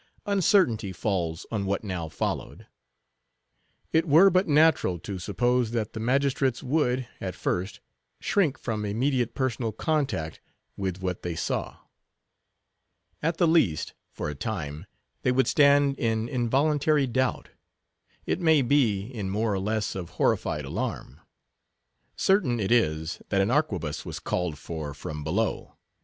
Uncertainty falls on what now followed. It were but natural to suppose that the magistrates would, at first, shrink from immediate personal contact with what they saw. At the least, for a time, they would stand in involuntary doubt; it may be, in more or less of horrified alarm. Certain it is, that an arquebuss was called for from below.